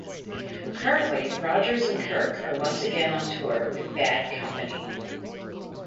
Currently, Rodgers and Kirke are once again on tour with Bad Company.